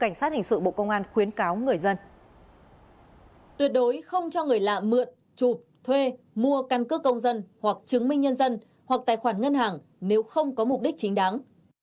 hoặc chứng minh nhân dân hoặc tài khoản ngân hàng nếu không có mục đích chính đáng